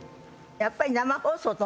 やっぱり。